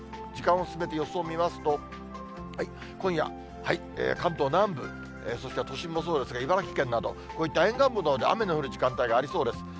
時間を進めて予想を見ますと、今夜、関東南部、そして都心もそうですが、茨城県など、こういった沿岸部のほうで雨の降る時間ありそうです。